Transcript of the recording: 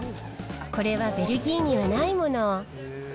これはベルギーはないもの。